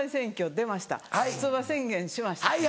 出馬宣言しました。